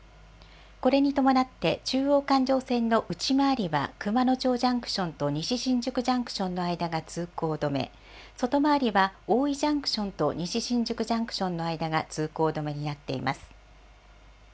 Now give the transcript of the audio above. これに伴って、中央環状線の内回りは、熊野町ジャンクションと西新宿ジャンクションの間が通行止め、外回りは大井ジャンクションと西新宿ジャンクションの間が通行止めになっています。